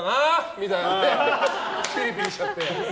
みたいにピリピリしちゃって。